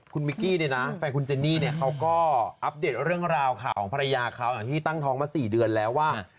คุณมิกกี้เนี่ยนะแฟนคุณเจนนี่เนี่ยเขาก็อัปเดตเรื่องราวข่าวของภรรยาเขาที่ตั้งท้องมา๔เดือนแล้วว่า